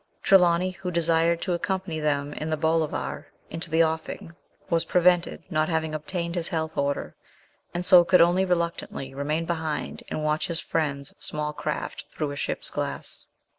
Trelawny, who desired to accompany them in the Bolivar into the offing, was prevented, not having obtained his health order, and so could only reluctantly remain behind and watch his friends' small craft through a ship's glass.